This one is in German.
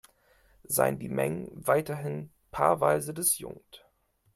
Seien die Mengen weiterhin paarweise disjunkt.